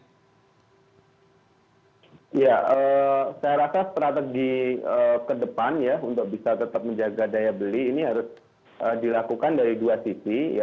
ya saya rasa strategi ke depan ya untuk bisa tetap menjaga daya beli ini harus dilakukan dari dua sisi